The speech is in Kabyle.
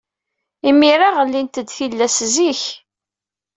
Imir-a, ɣellint-d tillas zik.